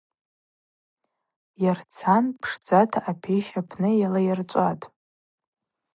Йырцан пшдзата апещ апны йалайырчӏватӏ.